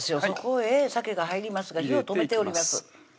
そこへさけが入りますが火を止めております